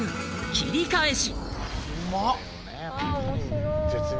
切り返し！